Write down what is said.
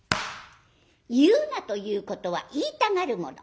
言うなということは言いたがるもの。